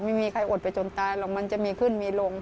ไม่มีใครอดไปจนตายหรอกมันจะมีขึ้นมีลง